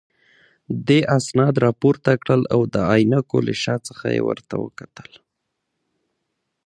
دې اسناد راپورته کړل او د عینکو له شا څخه یې ورته وکتل.